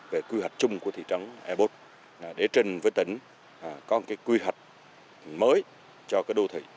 về quy hoạch chung của thị trấn eapop để trên với tỉnh có một cái quy hoạch mới cho cái đô thị